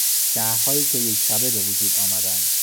شهرهایی که یک شبه به وجود آمدند